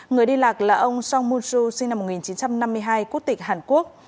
người đi lạc là ông song moon soo sinh năm một nghìn chín trăm năm mươi hai quốc tịch hàn quốc